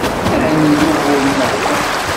Ɛni d ugur-nneɣ wa?